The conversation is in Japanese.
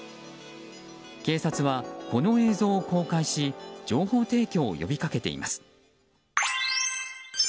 警察は、この映像を公開し情報提供を呼び掛けています。